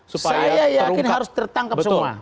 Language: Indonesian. saya yakin harus tertangkap semua